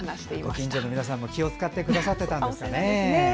ご近所の皆さんも気を使ってくださっていたんですね。